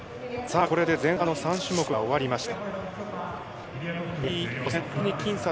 これで前半の３種目が終わりました。